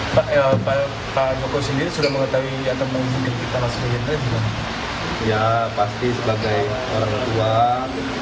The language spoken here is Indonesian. pak tokoh sendiri sudah mengetahui atau mungkin kita harus melihatnya juga